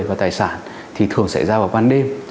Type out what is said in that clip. và tài sản thì thường xảy ra vào ban đêm